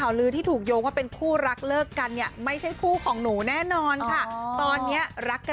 พวกหนูก็ปกติมากเลย